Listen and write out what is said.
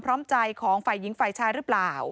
พร้อมใจของฝ่ายหญิงฝ่ายชายหรือเปล่า